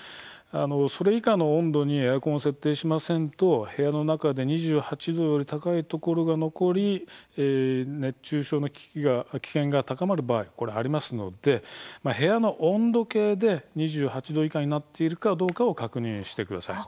それ以下の温度にエアコンを設定しませんと部屋の中で２８度より高いところが残り熱中症の危険が高まる場合これ、ありますので部屋の温度計で、２８度以下になっているかどうかを確認してください。